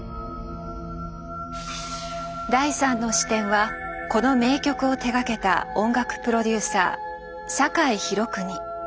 第３の視点はこの名曲を手がけた音楽プロデューサー境弘邦。